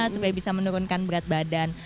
supaya bisa menurunkan berat badan